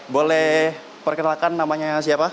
boleh perkenalkan namanya siapa